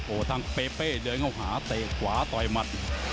โอ้โหทางเปเป้เดินเข้าหาเตะขวาต่อยหมัด